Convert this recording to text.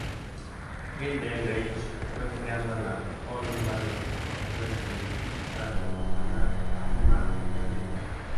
Heidenreich fue enviado a la Ohio Valley Wrestling para perfeccionar aún más sus habilidades.